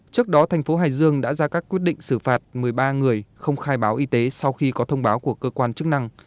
trước đó thành phố hải dương đã ra các quyết định xử phạt một mươi ba người không khai báo y tế sau khi có thông báo của cơ quan chức năng